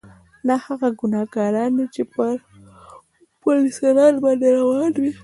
دا هغه ګناګاران دي چې پر پل صراط به روان وي.